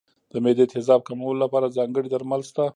د معدې تېزاب کمولو لپاره ځانګړي درمل شته.